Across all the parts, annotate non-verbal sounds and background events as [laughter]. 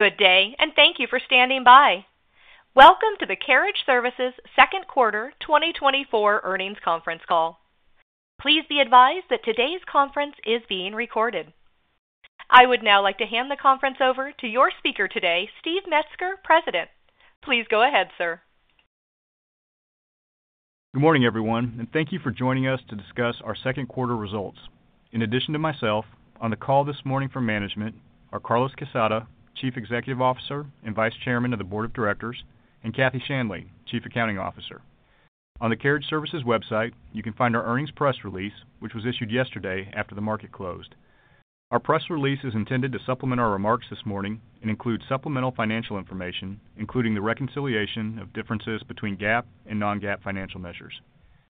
Good day, and thank you for standing by. Welcome to the Carriage Services Second Quarter 2024 Earnings Conference Call. Please be advised that today's conference is being recorded. I would now like to hand the conference over to your speaker today, Steve Metzger, President. Please go ahead, sir. Good morning, everyone, and thank you for joining us to discuss our second quarter results. In addition to myself, on the call this morning from management are Carlos Quezada, Chief Executive Officer and Vice Chairman of the Board of Directors, and Kathy Shanley, Chief Accounting Officer. On the Carriage Services website, you can find our earnings press release, which was issued yesterday after the market closed. Our press release is intended to supplement our remarks this morning and includes supplemental financial information, including the reconciliation of differences between GAAP and non-GAAP financial measures.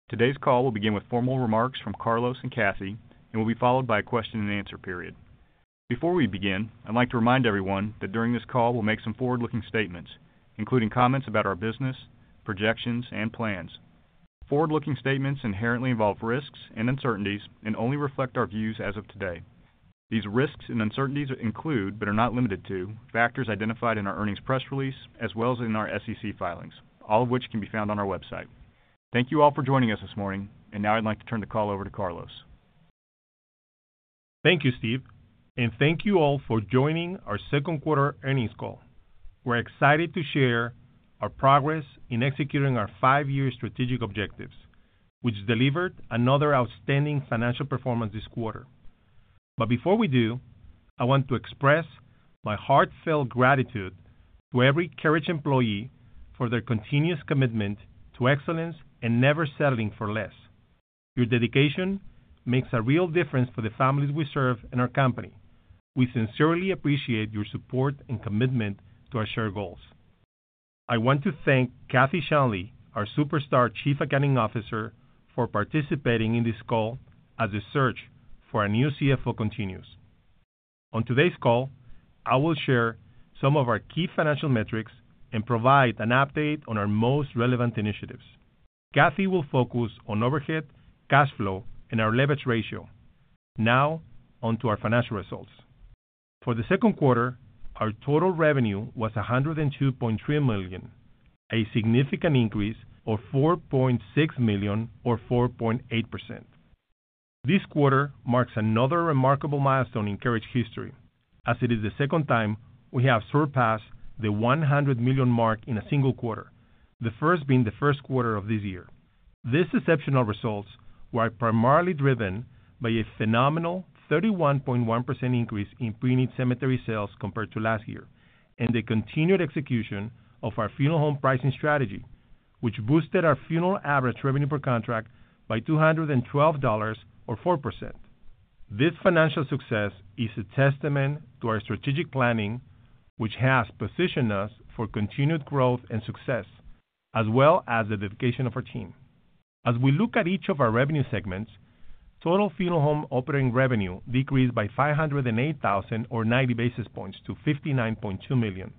Today's call will begin with formal remarks from Carlos and Kathy, and will be followed by a question and answer period. Before we begin, I'd like to remind everyone that during this call we'll make some forward-looking statements, including comments about our business, projections, and plans. Forward-looking statements inherently involve risks and uncertainties and only reflect our views as of today. These risks and uncertainties include, but are not limited to, factors identified in our earnings press release as well as in our SEC filings, all of which can be found on our website. Thank you all for joining us this morning, and now I'd like to turn the call over to Carlos. Thank you, Steve, and thank you all for joining our second quarter earnings call. We're excited to share our progress in executing our five-year strategic objectives, which delivered another outstanding financial performance this quarter. But before we do, I want to express my heartfelt gratitude to every Carriage employee for their continuous commitment to excellence and never settling for less. Your dedication makes a real difference for the families we serve and our company. We sincerely appreciate your support and commitment to our shared goals. I want to thank Kathy Shanley, our Superstar Chief Accounting Officer, for participating in this call as the search for a new CFO continues. On today's call, I will share some of our key financial metrics and provide an update on our most relevant initiatives. Kathy will focus on overhead, cash flow, and our leverage ratio. Now, onto our financial results. For the second quarter, our total revenue was $102.3 million, a significant increase of $4.6 million, or 4.8%. This quarter marks another remarkable milestone in Carriage history, as it is the second time we have surpassed the $100 million mark in a single quarter, the first being the first quarter of this year. These exceptional results were primarily driven by a phenomenal 31.1% increase in preneed cemetery sales compared to last year, and the continued execution of our funeral home pricing strategy, which boosted our funeral average revenue per contract by $212, or 4%. This financial success is a testament to our strategic planning, which has positioned us for continued growth and success, as well as the dedication of our team. As we look at each of our revenue segments, total funeral home operating revenue decreased by $508,000, or 90 basis points, to $59.2 million.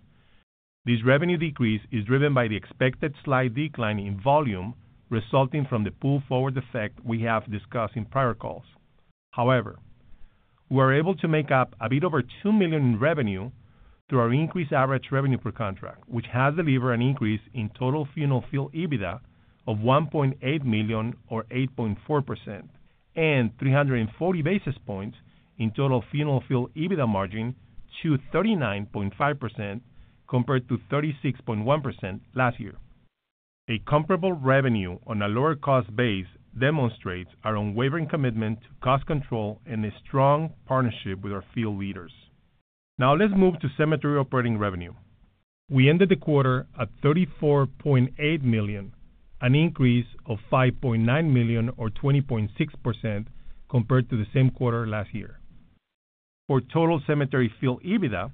This revenue decrease is driven by the expected slight decline in volume resulting from the pull-forward effect we have discussed in prior calls. However, we were able to make up a bit over $2 million in revenue through our increased average revenue per contract, which has delivered an increase in total funeral field EBITDA of $1.8 million, or 8.4%, and 340 basis points in total funeral field EBITDA margin, to 39.5% compared to 36.1% last year. A comparable revenue on a lower cost base demonstrates our unwavering commitment to cost control and a strong partnership with our field leaders. Now, let's move to cemetery operating revenue. We ended the quarter at $34.8 million, an increase of $5.9 million, or 20.6% compared to the same quarter last year. For total cemetery field EBITDA,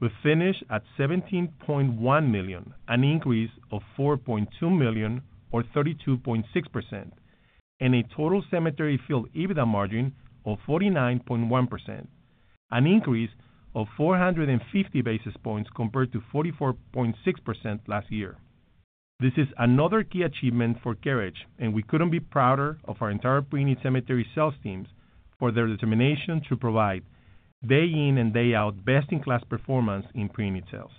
we finished at $17.1 million, an increase of $4.2 million, or 32.6%, and a total cemetery field EBITDA margin of 49.1%, an increase of 450 basis points compared to 44.6% last year. This is another key achievement for Carriage, and we couldn't be prouder of our entire preneed cemetery sales teams for their determination to provide day in and day out best-in-class performance in preneed sales.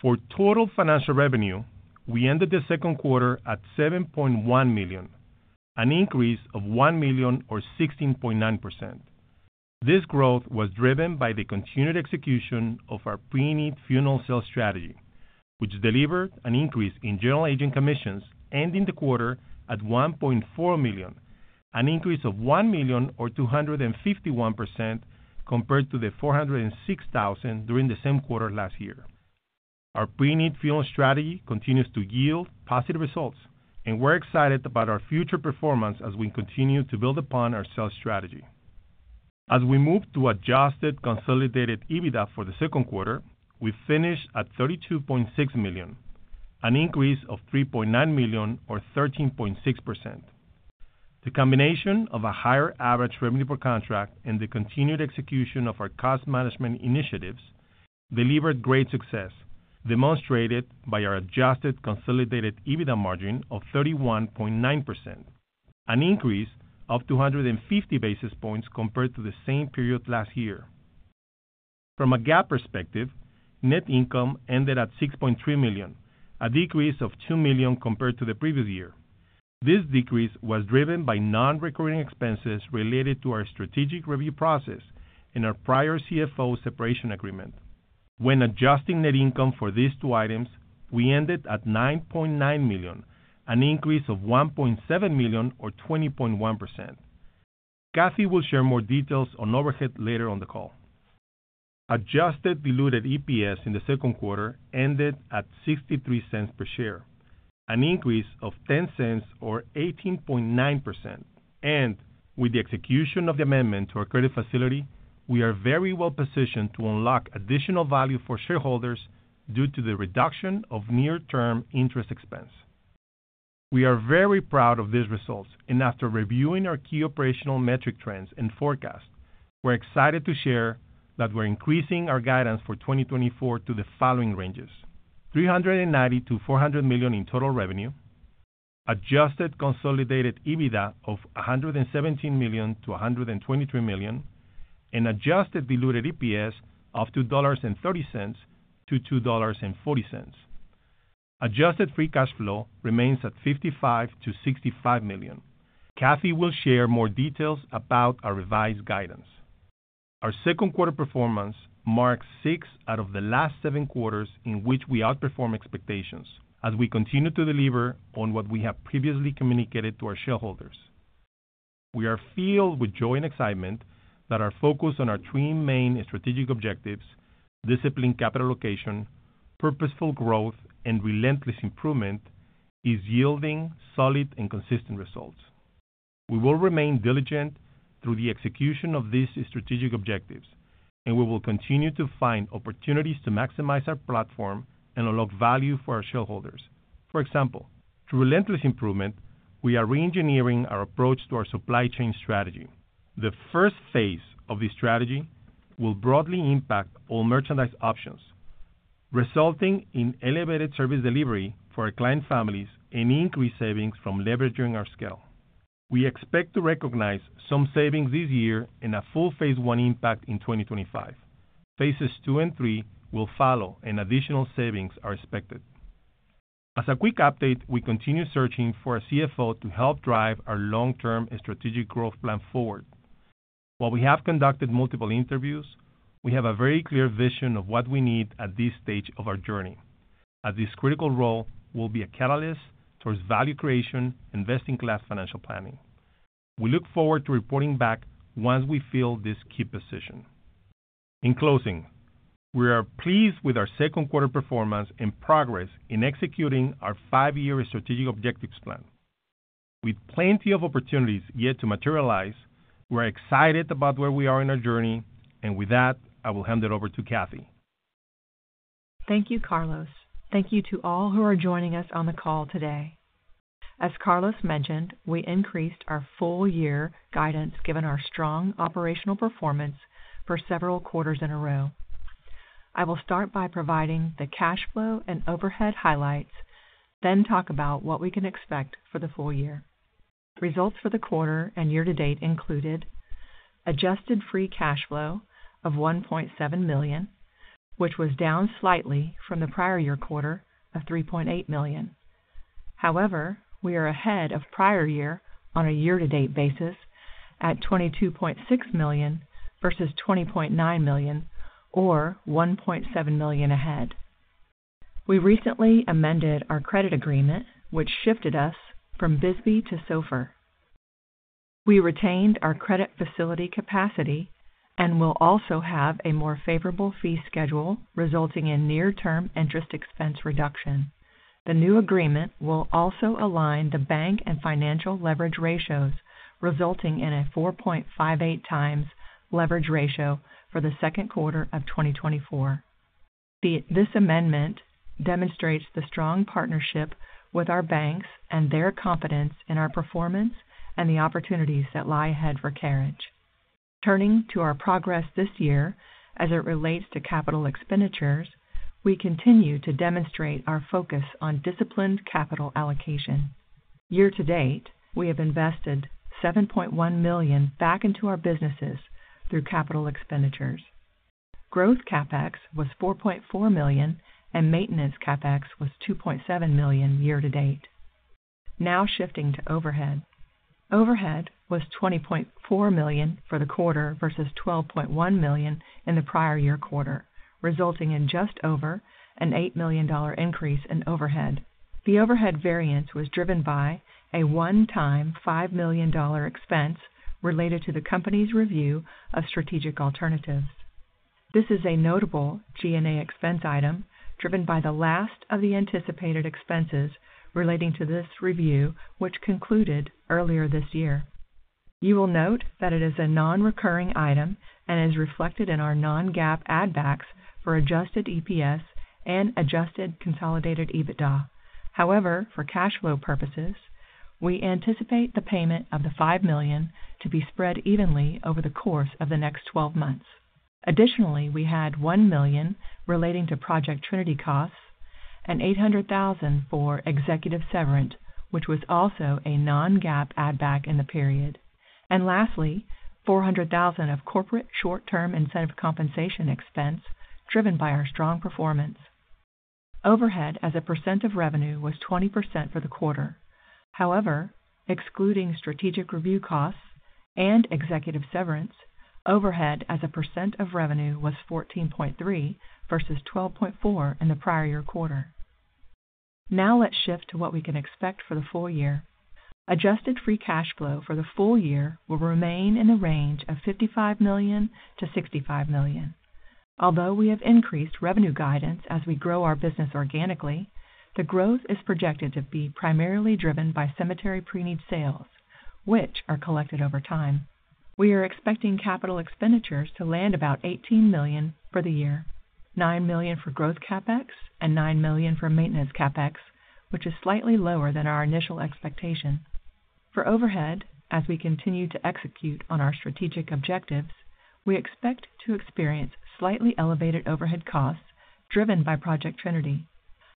For total financial revenue, we ended the second quarter at $7.1 million, an increase of $1 million, or 16.9%. This growth was driven by the continued execution of our preneed funeral sales strategy, which delivered an increase in general agent commissions ending the quarter at $1.4 million, an increase of $1 million, or 251% compared to the $406,000 during the same quarter last year. Our preneed funeral strategy continues to yield positive results, and we're excited about our future performance as we continue to build upon our sales strategy. As we move to adjusted consolidated EBITDA for the second quarter, we finished at $32.6 million, an increase of $3.9 million, or 13.6%. The combination of a higher average revenue per contract and the continued execution of our cost management initiatives delivered great success, demonstrated by our adjusted consolidated EBITDA margin of 31.9%, an increase of 250 basis points compared to the same period last year. From a GAAP perspective, net income ended at $6.3 million, a decrease of $2 million compared to the previous year. This decrease was driven by non-recurring expenses related to our strategic review process and our prior CFO separation agreement. When adjusting net income for these two items, we ended at $9.9 million, an increase of $1.7 million, or 20.1%. Kathy will share more details on overhead later on the call. Adjusted diluted EPS in the second quarter ended at $0.63 per share, an increase of $0.10, or 18.9%. With the execution of the amendment to our credit facility, we are very well-positioned to unlock additional value for shareholders due to the reduction of near-term interest expense. We are very proud of these results, and after reviewing our key operational metric trends and forecast, we're excited to share that we're increasing our guidance for 2024 to the following ranges: $390 million-$400 million in total revenue, adjusted consolidated EBITDA of $117 million-$123 million, and adjusted diluted EPS of $2.30-$2.40. Adjusted free cash flow remains at $55 million-$65 million. Kathy will share more details about our revised guidance. Our second-quarter performance marks six out of the last seven quarters in which we outperformed expectations, as we continue to deliver on what we have previously communicated to our shareholders. We are filled with joy and excitement that our focus on our three main strategic objectives: disciplined capital allocation, purposeful growth, and relentless improvement is yielding solid and consistent results. We will remain diligent through the execution of these strategic objectives, and we will continue to find opportunities to maximize our platform and unlock value for our shareholders. For example, through relentless improvement, we are re-engineering our approach to our supply chain strategy. The first phase of this strategy will broadly impact all merchandise options, resulting in elevated service delivery for our client families and increased savings from leveraging our scale. We expect to recognize some savings this year and a full phase one impact in 2025. Phases two and three will follow, and additional savings are expected. As a quick update, we continue searching for a CFO to help drive our long-term strategic growth plan forward. While we have conducted multiple interviews, we have a very clear vision of what we need at this stage of our journey, as this critical role will be a catalyst towards value creation and best-in-class financial planning. We look forward to reporting back once we fill this key position. In closing, we are pleased with our second-quarter performance and progress in executing our five-year strategic objectives plan. With plenty of opportunities yet to materialize, we're excited about where we are in our journey, and with that, I will hand it over to Kathy. Thank you, Carlos. Thank you to all who are joining us on the call today. As Carlos mentioned, we increased our full-year guidance given our strong operational performance for several quarters in a row. I will start by providing the cash flow and overhead highlights, then talk about what we can expect for the full year. Results for the quarter and year-to-date included adjusted free cash flow of $1.7 million, which was down slightly from the prior year quarter of $3.8 million. However, we are ahead of prior year on a year-to-date basis at $22.6 million versus $20.9 million, or $1.7 million ahead. We recently amended our credit agreement, which shifted us from BSBY to SOFR. We retained our credit facility capacity and will also have a more favorable fee schedule, resulting in near-term interest expense reduction. The new agreement will also align the bank and financial leverage ratios, resulting in a 4.58x leverage ratio for the second quarter of 2024. This amendment demonstrates the strong partnership with our banks and their confidence in our performance and the opportunities that lie ahead for Carriage. Turning to our progress this year as it relates to capital expenditures, we continue to demonstrate our focus on disciplined capital allocation. Year-to-date, we have invested $7.1 million back into our businesses through capital expenditures. Growth CapEx was $4.4 million, and maintenance CapEx was $2.7 million year-to-date. Now shifting to overhead. Overhead was $20.4 million for the quarter versus $12.1 million in the prior year quarter, resulting in just over an $8 million increase in overhead. The overhead variance was driven by a one-time $5 million expense related to the company's review of strategic alternatives. This is a notable G&A expense item driven by the last of the anticipated expenses relating to this review, which concluded earlier this year. You will note that it is a non-recurring item and is reflected in our non-GAAP add-backs for adjusted EPS and adjusted consolidated EBITDA. However, for cash flow purposes, we anticipate the payment of the $5 million to be spread evenly over the course of the next 12 months. Additionally, we had $1 million relating to Project Trinity costs, and $800,000 for executive severance, which was also a non-GAAP add-back in the period. And lastly, $400,000 of corporate short-term incentive compensation expense driven by our strong performance. Overhead as a percent of revenue was 20% for the quarter. However, excluding strategic review costs and executive severance, overhead as a percent of revenue was 14.3% versus 12.4% in the prior year quarter. Now let's shift to what we can expect for the full year. Adjusted free cash flow for the full year will remain in the range of $55 million-$65 million. Although we have increased revenue guidance as we grow our business organically, the growth is projected to be primarily driven by cemetery preneed sales, which are collected over time. We are expecting capital expenditures to land about $18 million for the year, $9 million for growth CapEx, and $9 million for maintenance CapEx, which is slightly lower than our initial expectation. For overhead, as we continue to execute on our strategic objectives, we expect to experience slightly elevated overhead costs driven by Project Trinity.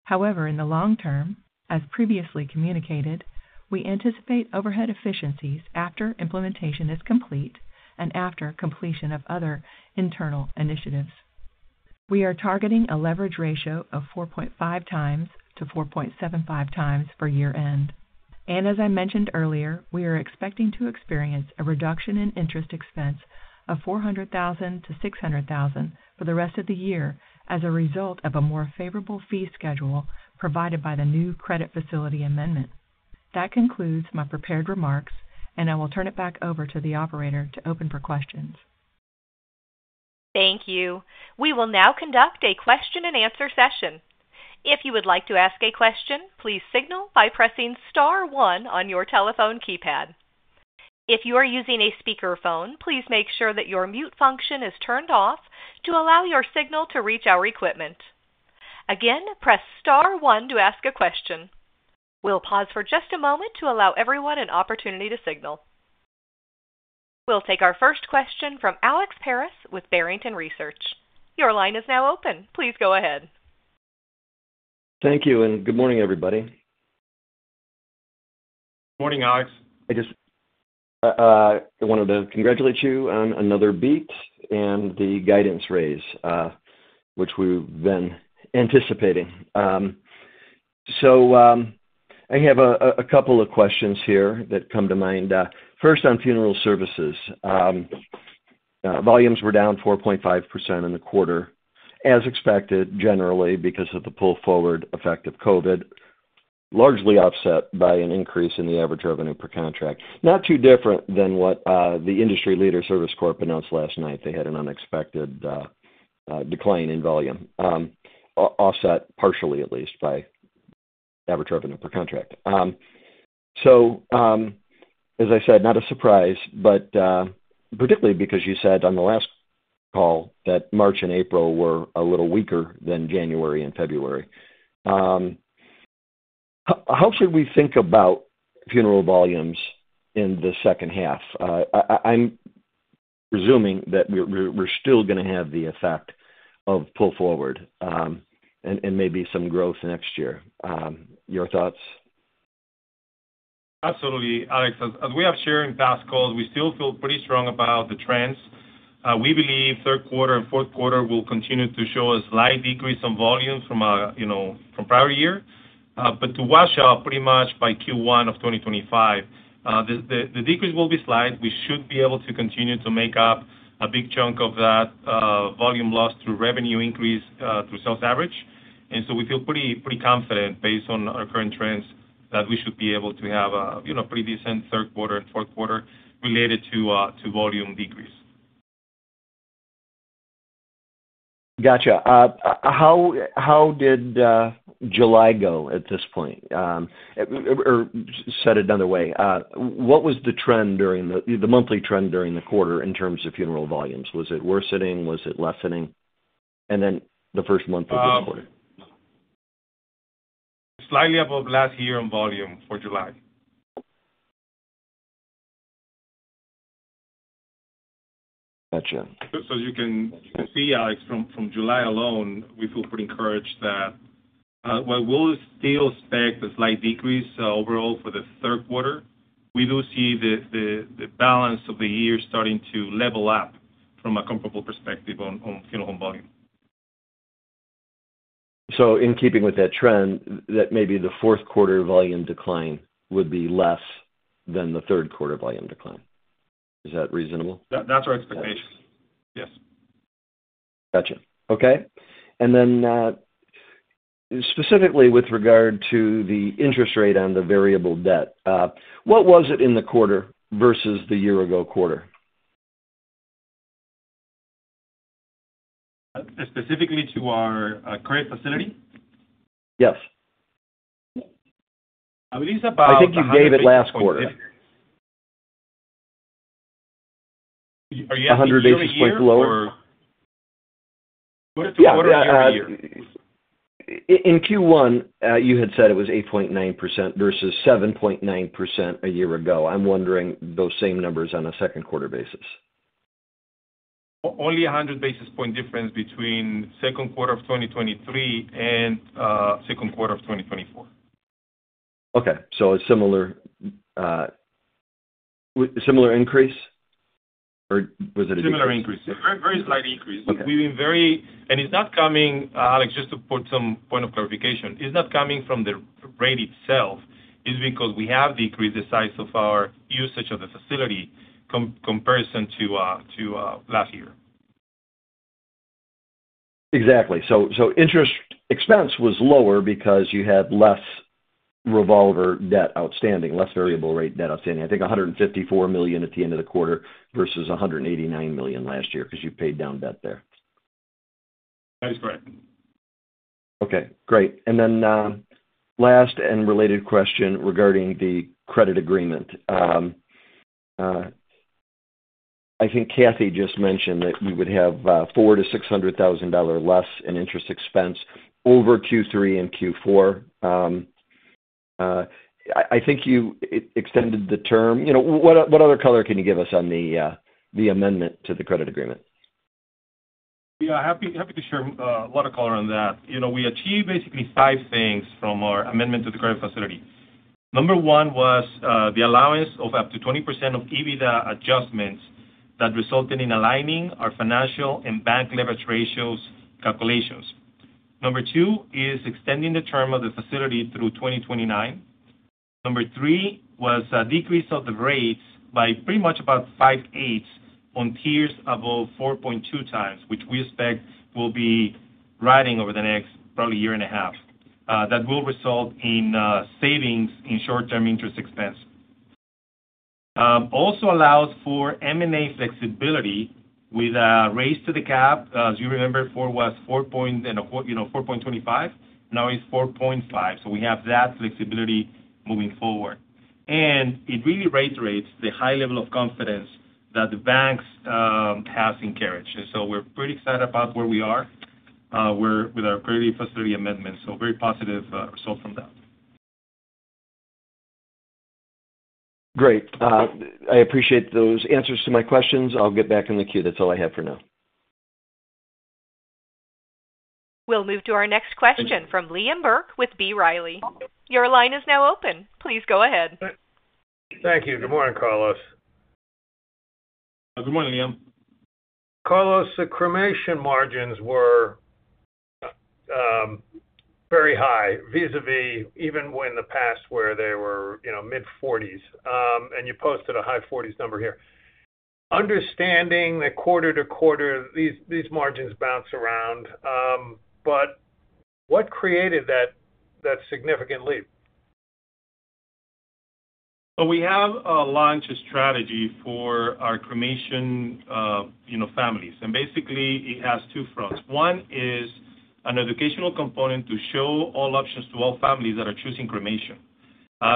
However, in the long term, as previously communicated, we anticipate overhead efficiencies after implementation is complete and after completion of other internal initiatives. We are targeting a leverage ratio of 4.5x-4.75x for year-end. As I mentioned earlier, we are expecting to experience a reduction in interest expense of $400,000-$600,000 for the rest of the year as a result of a more favorable fee schedule provided by the new credit facility amendment. That concludes my prepared remarks, and I will turn it back over to the operator to open for questions. Thank you. We will now conduct a question-and-answer session. If you would like to ask a question, please signal by pressing star one on your telephone keypad. If you are using a speakerphone, please make sure that your mute function is turned off to allow your signal to reach our equipment. Again, press star one to ask a question. We'll pause for just a moment to allow everyone an opportunity to signal. We'll take our first question from Alex Paris with Barrington Research. Your line is now open. Please go ahead. Thank you, and good morning, everybody. Good morning, Alex. I just wanted to congratulate you on another beat and the guidance raise, which we've been anticipating. So I have a couple of questions here that come to mind. First, on funeral services, volumes were down 4.5% in the quarter, as expected, generally because of the pull-forward effect of COVID, largely offset by an increase in the average revenue per contract. Not too different than what the industry leader Service Corp announced last night. They had an unexpected decline in volume, offset partially at least by average revenue per contract. So, as I said, not a surprise, but particularly because you said on the last call that March and April were a little weaker than January and February. How should we think about funeral volumes in the second half? I'm presuming that we're still going to have the effect of pull-forward and maybe some growth next year. Your thoughts? Absolutely. Alex, as we have shared in past calls, we still feel pretty strong about the trends. We believe third quarter and fourth quarter will continue to show a slight decrease in volume from prior year. But to wash out pretty much by Q1 of 2025, the decrease will be slight. We should be able to continue to make up a big chunk of that volume loss through revenue increase through sales average. And so we feel pretty confident based on our current trends that we should be able to have a pretty decent third quarter and fourth quarter related to volume decrease. Got you. How did July go at this point? Or set it another way. What was the trend during the monthly trend during the quarter in terms of funeral volumes? Was it worsening? Was it lessening? And then the first month of this quarter. Slightly above last year in volume for July. Got you. So you can see, Alex, from July alone, we feel pretty encouraged that while we'll still expect a slight decrease overall for the third quarter, we do see the balance of the year starting to level up from a comparable perspective on funeral home volume. In keeping with that trend, that maybe the fourth quarter volume decline would be less than the third quarter volume decline. Is that reasonable? That's our expectation. Yes. Gotcha. Okay. And then specifically with regard to the interest rate on the variable debt, what was it in the quarter versus the year-ago quarter? Specifically to our current facility? Yes. I believe it's about. I think you gave it last quarter. [crosstalk] Are you asking me to say? 180 points lower? Yeah. In Q1, you had said it was 8.9% versus 7.9% a year ago. I'm wondering those same numbers on a second quarter basis. Only 100 basis point difference between second quarter of 2023 and second quarter of 2024. Okay. So a similar increase? Or was it a decrease? Similar increase. Very slight increase. It's not coming, Alex, just to put some point of clarification. It's not coming from the rate itself. It's because we have decreased the size of our usage of the facility comparison to last year. Exactly. So interest expense was lower because you had less revolver debt outstanding, less variable rate debt outstanding. I think $154 million at the end of the quarter versus $189 million last year because you paid down debt there. That is correct. Okay. Great. And then last and related question regarding the credit agreement. I think Kathy just mentioned that we would have $400,000-$600,000 less in interest expense over Q3 and Q4. I think you extended the term. What other color can you give us on the amendment to the credit agreement? Yeah. Happy to share a lot of color on that. We achieved basically 5 things from our amendment to the credit facility. Number one was the allowance of up to 20% of EBITDA adjustments that resulted in aligning our financial and bank leverage ratios calculations. Number two is extending the term of the facility through 2029. Number three was a decrease of the rates by pretty much about 0.625 on tiers above 4.2x, which we expect will be riding over the next probably year and a half. That will result in savings in short-term interest expense. Also allows for M&A flexibility with a raise to the cap. As you remember, 4 was 4.25. Now it's 4.5. So we have that flexibility moving forward. And it really reiterates the high level of confidence that the banks have in Carriage. We're pretty excited about where we are with our credit facility amendment. Very positive result from that. Great. I appreciate those answers to my questions. I'll get back in the queue. That's all I have for now. We'll move to our next question from Liam Burke with B. Riley. Your line is now open. Please go ahead. Thank you. Good morning, Carlos. Good morning, Liam. Carlos, the cremation margins were very high vis-à-vis even when in the past where they were mid-40s%. You posted a high-40s% number here. Understanding that quarter to quarter, these margins bounce around. What created that significant leap? Well, we have a launch strategy for our cremation families. And basically, it has two fronts. One is an educational component to show all options to all families that are choosing cremation.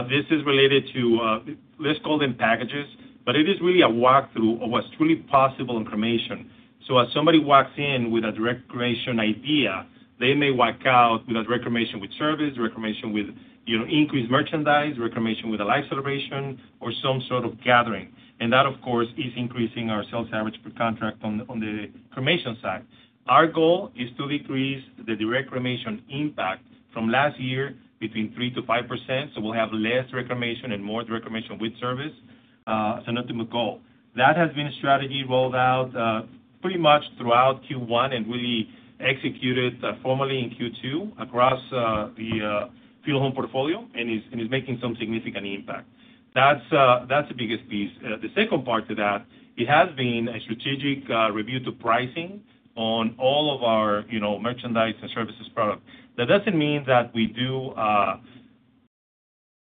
This is related to let's call them packages, but it is really a walkthrough of what's truly possible in cremation. So as somebody walks in with a direct cremation idea, they may walk out with a direct cremation with service, direct cremation with increased merchandise, direct cremation with a life celebration, or some sort of gathering. And that, of course, is increasing our sales average per contract on the cremation side. Our goal is to decrease the direct cremation impact from last year between 3%-5%. So we'll have less direct cremation and more direct cremation with service. It's an ultimate goal. That has been a strategy rolled out pretty much throughout Q1 and really executed formally in Q2 across the funeral home portfolio and is making some significant impact. That's the biggest piece. The second part to that, it has been a strategic review to pricing on all of our merchandise and services products. That doesn't mean that we do a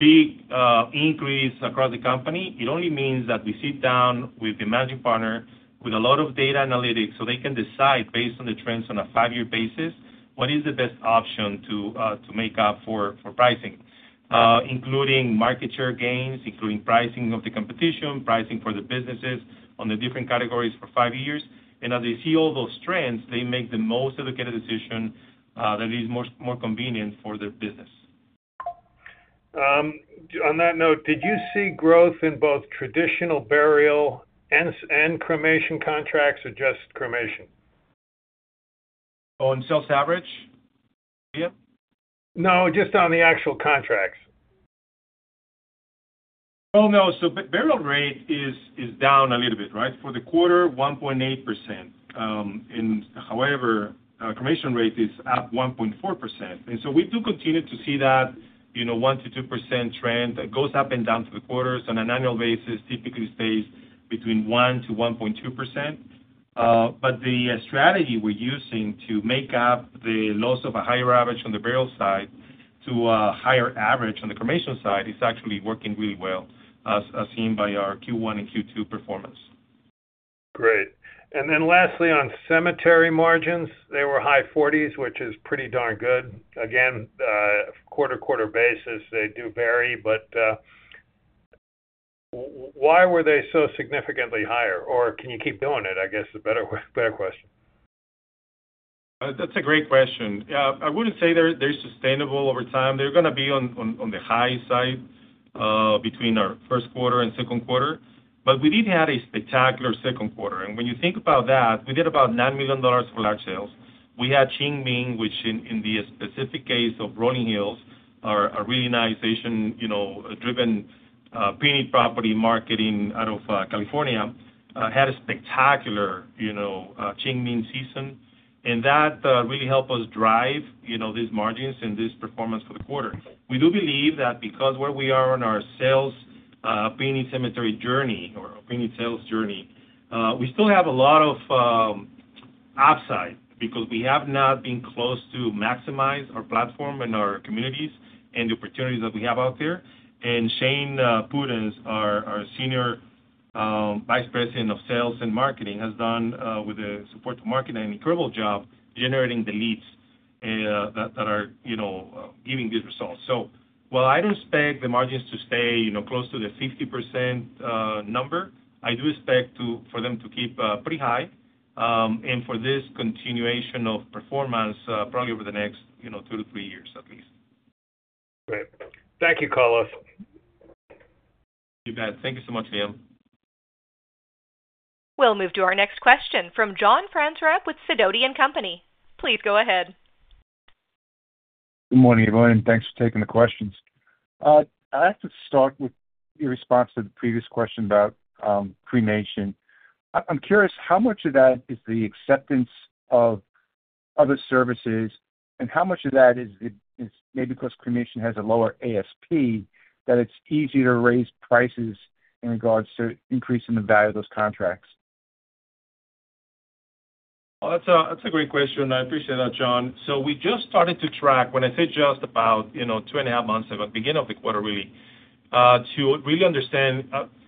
big increase across the company. It only means that we sit down with the managing partner with a lot of data analytics so they can decide based on the trends on a 5-year basis what is the best option to make up for pricing, including market share gains, including pricing of the competition, pricing for the businesses on the different categories for 5 years. As they see all those trends, they make the most educated decision that is more convenient for their business. On that note, did you see growth in both traditional burial and cremation contracts or just cremation? On sales average? No, just on the actual contracts. Oh, no. So burial rate is down a little bit, right? For the quarter, 1.8%. And however, cremation rate is up 1.4%. And so we do continue to see that 1%-2% trend that goes up and down through the quarters. On an annual basis, typically stays between 1%-1.2%. But the strategy we're using to make up the loss of a higher average on the burial side to a higher average on the cremation side is actually working really well, as seen by our Q1 and Q2 performance. Great. And then lastly, on cemetery margins, they were high 40s, which is pretty darn good. Again, quarter-over-quarter basis, they do vary. But why were they so significantly higher? Or can you keep doing it, I guess, is a better question. That's a great question. I wouldn't say they're sustainable over time. They're going to be on the high side between our first quarter and second quarter. But we did have a spectacular second quarter. And when you think about that, we did about $9 million for large sales. We had Qingming, which in the specific case of Rolling Hills, a really nice Asian-driven preneed property marketing out of California, had a spectacular Qingming season. And that really helped us drive these margins and this performance for the quarter. We do believe that because where we are on our sales preneed cemetery journey or preneed sales journey, we still have a lot of upside because we have not been close to maximize our platform and our communities and the opportunities that we have out there. Shane Putens, our Senior Vice President of Sales and Marketing, has done, with the support of marketing, an incredible job, generating the leads that are giving good results. So while I don't expect the margins to stay close to the 50% number, I do expect for them to keep pretty high and for this continuation of performance probably over the next two to three years at least. Great. Thank you, Carlos. Thank you so much, Liam. We'll move to our next question from John Frantzreb with Sidoti & Company. Please go ahead. Good morning, everyone. Thanks for taking the questions. I'd like to start with your response to the previous question about cremation. I'm curious how much of that is the acceptance of other services and how much of that is maybe because cremation has a lower ASP that it's easier to raise prices in regards to increasing the value of those contracts? Well, that's a great question. I appreciate that, John. So we just started to track, when I say just about two and a half months ago, beginning of the quarter really, to really understand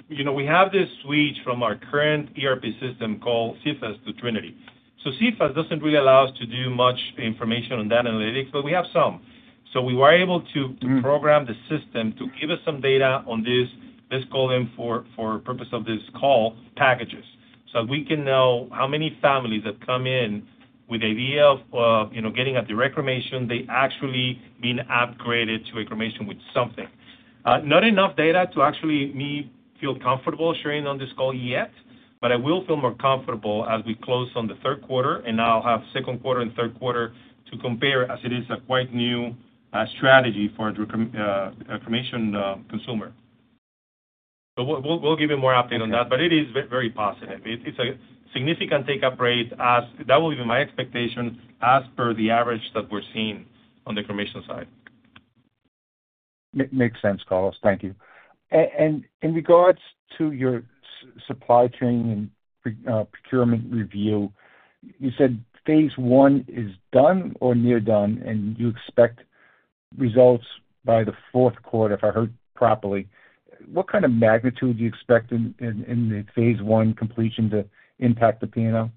we have this switch from our current ERP system called CFAS to Trinity. So CFAS doesn't really allow us to do much information on that analytics, but we have some. So we were able to program the system to give us some data on this, let's call them for purpose of this call, packages. So we can know how many families that come in with the idea of getting a cremation, they actually been upgraded to a cremation with something. Not enough data to actually make me feel comfortable sharing on this call yet, but I will feel more comfortable as we close on the third quarter and now have second quarter and third quarter to compare as it is a quite new strategy for a cremation consumer. So we'll give you more update on that, but it is very positive. It's a significant take-up rate as that will be my expectation as per the average that we're seeing on the cremation side. Makes sense, Carlos. Thank you. In regards to your supply chain and procurement review, you said phase one is done or near done, and you expect results by the fourth quarter, if I heard properly. What kind of magnitude do you expect in the phase one completion to impact the P&L?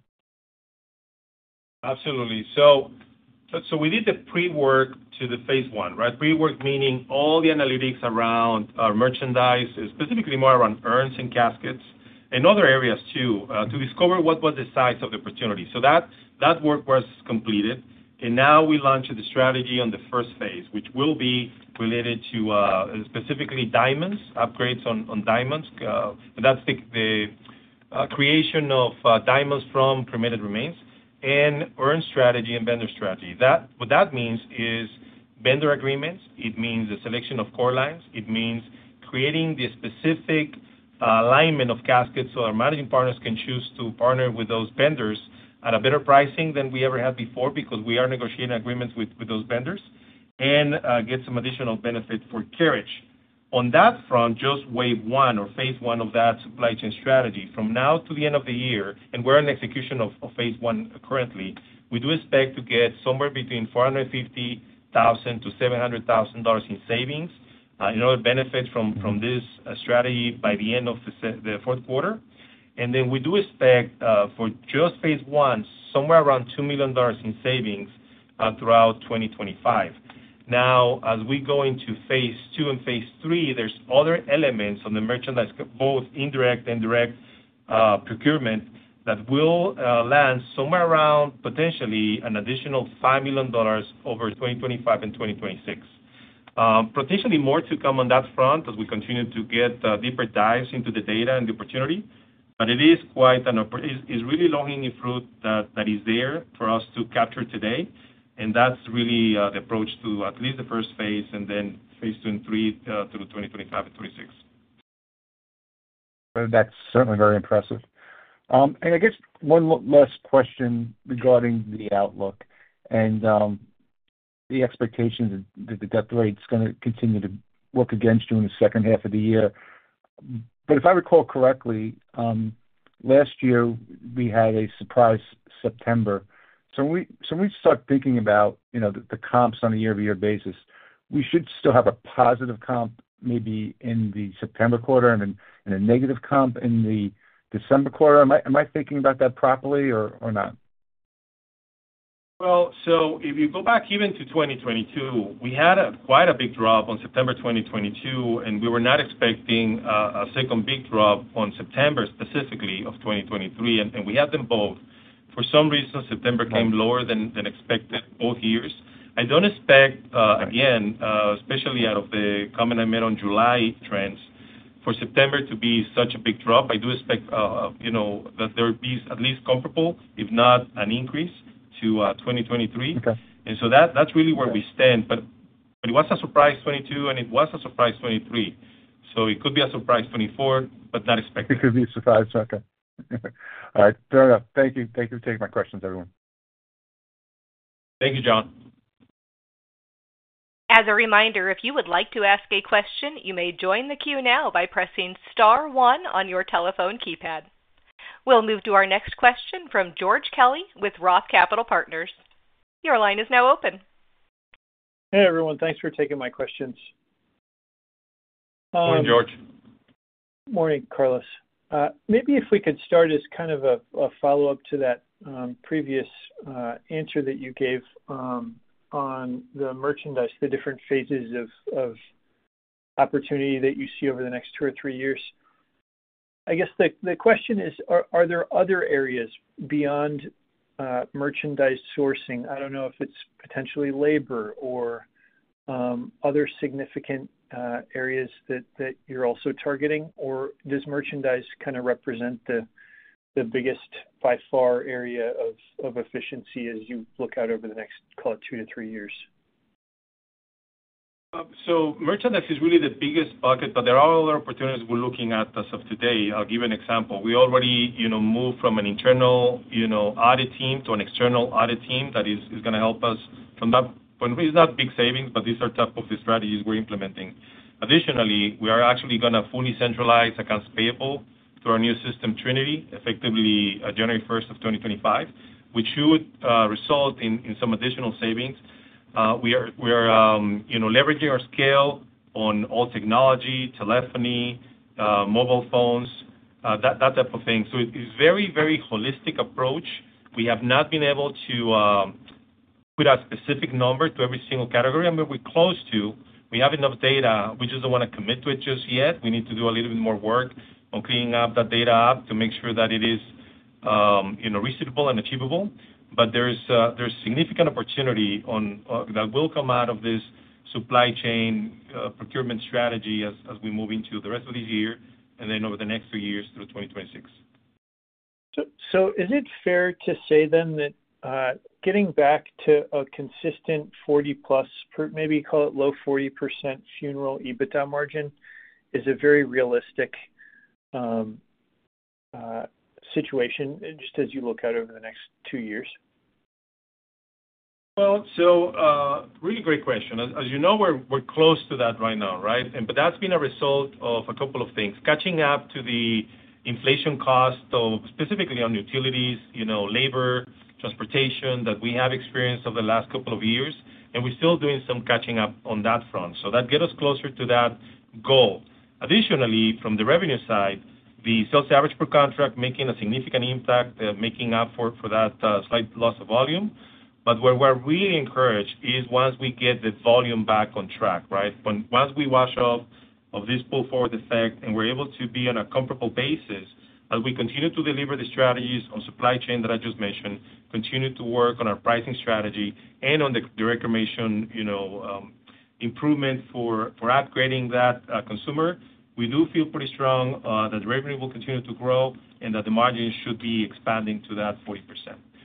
Absolutely. So we did the pre-work to the phase one, right? Pre-work meaning all the analytics around our merchandise, specifically more around urns and caskets and other areas too, to discover what was the size of the opportunity. So that work was completed. And now we launched the strategy on the first phase, which will be related to specifically diamonds, upgrades on diamonds. And that's the creation of diamonds from cremated remains and urn strategy and vendor strategy. What that means is vendor agreements. It means the selection of core lines. It means creating the specific alignment of caskets so our managing partners can choose to partner with those vendors at a better pricing than we ever had before because we are negotiating agreements with those vendors and get some additional benefit for Carriage. On that front, just phase one of that supply chain strategy, from now to the end of the year, and we're in execution of phase one currently. We do expect to get somewhere between $450,000-$700,000 in savings and other benefits from this strategy by the end of the fourth quarter. And then we do expect for just phase one, somewhere around $2 million in savings throughout 2025. Now, as we go into phase two and phase three, there's other elements on the merchandise, both indirect and direct procurement, that will land somewhere around potentially an additional $5 million over 2025 and 2026. Potentially more to come on that front as we continue to get deeper dives into the data and the opportunity. But it is quite an and it's really low-hanging fruit that is there for us to capture today. That's really the approach to at least the first phase and then phase two and three through 2025 and 2026. That's certainly very impressive. I guess one last question regarding the outlook and the expectations that the death rate is going to continue to work against you in the second half of the year. If I recall correctly, last year, we had a surprise September. When we start thinking about the comps on a year-to-year basis, we should still have a positive comp maybe in the September quarter and a negative comp in the December quarter. Am I thinking about that properly or not? Well, so if you go back even to 2022, we had quite a big drop on September 2022, and we were not expecting a second big drop on September specifically of 2023. And we had them both. For some reason, September came lower than expected both years. I don't expect, again, especially out of the comment I made on July trends, for September to be such a big drop. I do expect that there would be at least comparable, if not an increase, to 2023. And so that's really where we stand. But it was a surprise 2022, and it was a surprise 2023. So it could be a surprise 2024, but not expected. It could be a surprise. Okay. All right. Fair enough. Thank you. Thank you for taking my questions, everyone. Thank you, John. As a reminder, if you would like to ask a question, you may join the queue now by pressing star one on your telephone keypad. We'll move to our next question from George Kelly with Roth Capital Partners. Your line is now open. Hey, everyone. Thanks for taking my questions. Morning, George. Morning, Carlos. Maybe if we could start as kind of a follow-up to that previous answer that you gave on the merchandise, the different phases of opportunity that you see over the next two or three years. I guess the question is, are there other areas beyond merchandise sourcing? I don't know if it's potentially labor or other significant areas that you're also targeting, or does merchandise kind of represent the biggest by far area of efficiency as you look out over the next, call it, two to three years? So merchandise is really the biggest bucket, but there are other opportunities we're looking at as of today. I'll give you an example. We already moved from an internal audit team to an external audit team that is going to help us from that point. It's not big savings, but these are top of the strategies we're implementing. Additionally, we are actually going to fully centralize accounts payable through our new system, Trinity, effectively January 1st of 2025, which should result in some additional savings. We are leveraging our scale on all technology, telephony, mobile phones, that type of thing. So it's a very, very holistic approach. We have not been able to put a specific number to every single category. I mean, we're close to. We have enough data. We just don't want to commit to it just yet. We need to do a little bit more work on cleaning up that data to make sure that it is researchable and achievable. But there's significant opportunity that will come out of this supply chain procurement strategy as we move into the rest of this year and then over the next two years through 2026. Is it fair to say then that getting back to a consistent 40+, maybe call it low 40% funeral EBITDA margin is a very realistic situation just as you look out over the next two years? Well, so really great question. As you know, we're close to that right now, right? But that's been a result of a couple of things. Catching up to the inflation cost of specifically on utilities, labor, transportation that we have experienced over the last couple of years. And we're still doing some catching up on that front. So that gets us closer to that goal. Additionally, from the revenue side, the sales average per contract making a significant impact, making up for that slight loss of volume. But where we're really encouraged is once we get the volume back on track, right? Once we wash off of this pull-forward effect and we're able to be on a comparable basis, as we continue to deliver the strategies on supply chain that I just mentioned, continue to work on our pricing strategy and on the direct cremation improvement for upgrading that consumer, we do feel pretty strong that revenue will continue to grow and that the margin should be expanding to that 40%.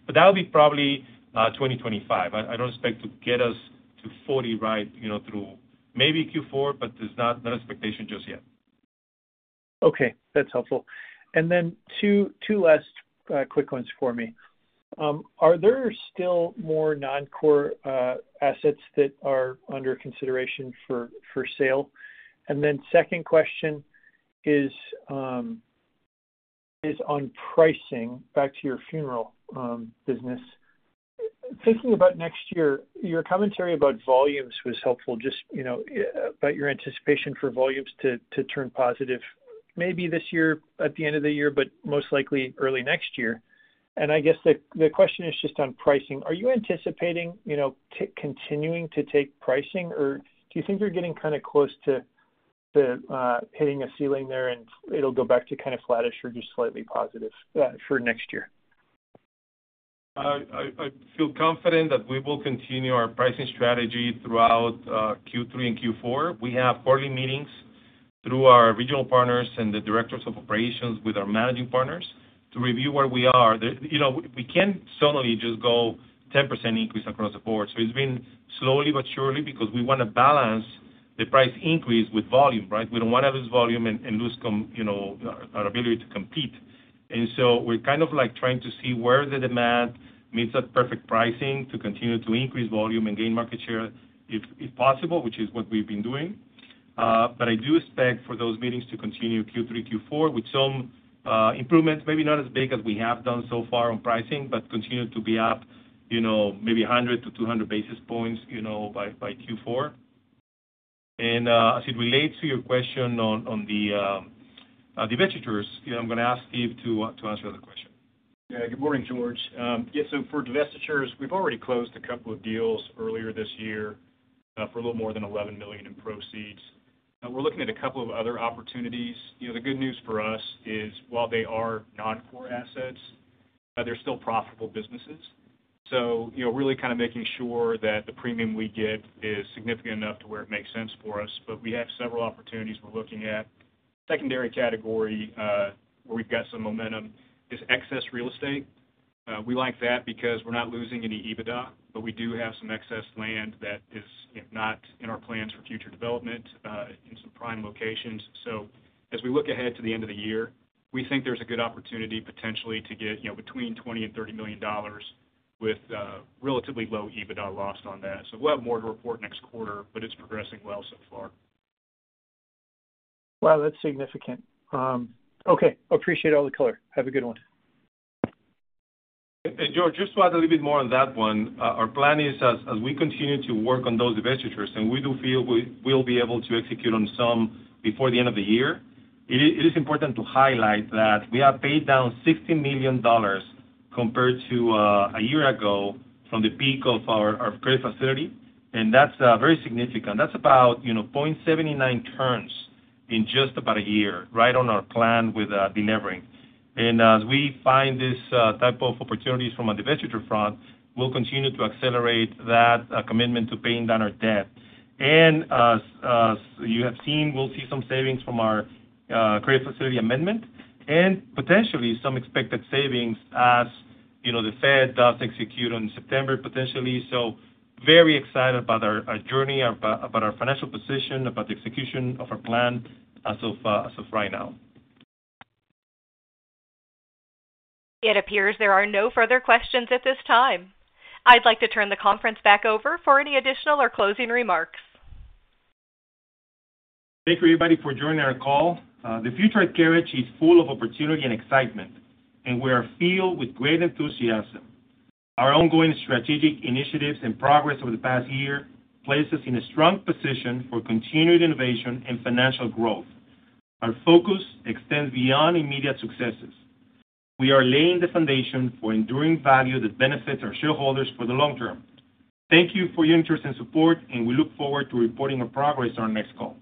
But that will be probably 2025. I don't expect to get us to 40 right through maybe Q4, but there's not an expectation just yet. Okay. That's helpful. And then two last quick ones for me. Are there still more non-core assets that are under consideration for sale? And then second question is on pricing back to your funeral business. Thinking about next year, your commentary about volumes was helpful, just about your anticipation for volumes to turn positive maybe this year at the end of the year, but most likely early next year. And I guess the question is just on pricing. Are you anticipating continuing to take pricing, or do you think you're getting kind of close to hitting a ceiling there and it'll go back to kind of flattish or just slightly positive for next year? I feel confident that we will continue our pricing strategy throughout Q3 and Q4. We have quarterly meetings through our regional partners and the directors of operations with our managing partners to review where we are. We can't suddenly just go 10% increase across the board. So it's been slowly but surely because we want to balance the price increase with volume, right? We don't want to lose volume and lose our ability to compete. And so we're kind of like trying to see where the demand meets that perfect pricing to continue to increase volume and gain market share if possible, which is what we've been doing. But I do expect for those meetings to continue Q3, Q4 with some improvements, maybe not as big as we have done so far on pricing, but continue to be up maybe 100-200 basis points by Q4. As it relates to your question on the divestitures, I'm going to ask Steve to answer the question. Yeah. Good morning, George. Yeah. So for divestitures, we've already closed a couple of deals earlier this year for a little more than $11 million in proceeds. We're looking at a couple of other opportunities. The good news for us is, while they are non-core assets, they're still profitable businesses. So really kind of making sure that the premium we get is significant enough to where it makes sense for us. But we have several opportunities we're looking at. Secondary category where we've got some momentum is excess real estate. We like that because we're not losing any EBITDA, but we do have some excess land that is not in our plans for future development in some prime locations. So as we look ahead to the end of the year, we think there's a good opportunity potentially to get between $20 million and $30 million with relatively low EBITDA lost on that. So we'll have more to report next quarter, but it's progressing well so far. Wow, that's significant. Okay. Appreciate all the color. Have a good one. George, just to add a little bit more on that one, our plan is, as we continue to work on those divestitures, and we do feel we'll be able to execute on some before the end of the year, it is important to highlight that we have paid down $16 million compared to a year ago from the peak of our credit facility. And that's very significant. That's about 0.79 turns in just about a year, right on our plan with delivering. And as we find this type of opportunities from a divestiture front, we'll continue to accelerate that commitment to paying down our debt. And as you have seen, we'll see some savings from our credit facility amendment and potentially some expected savings as the Fed does execute on September, potentially. So very excited about our journey, about our financial position, about the execution of our plan as of right now. It appears there are no further questions at this time. I'd like to turn the conference back over for any additional or closing remarks. Thank you, everybody, for joining our call. The future at Carriage is full of opportunity and excitement, and we are filled with great enthusiasm. Our ongoing strategic initiatives and progress over the past year place us in a strong position for continued innovation and financial growth. Our focus extends beyond immediate successes. We are laying the foundation for enduring value that benefits our shareholders for the long term. Thank you for your interest and support, and we look forward to reporting our progress on our next call.